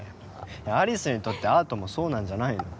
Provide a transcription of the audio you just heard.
有栖にとってアートもそうなんじゃないの？